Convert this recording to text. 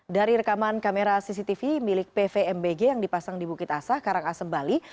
dari rekaman kamera cctv milik pvmbg yang dipasang di bukit asah karangasem bali